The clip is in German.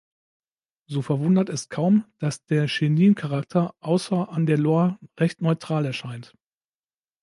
So verwundert es kaum, dass der Chenin-Charakter außer an der Loire recht neutral erscheint.